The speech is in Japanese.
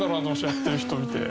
やってる人を見て。